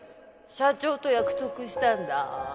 社長と約束したんだ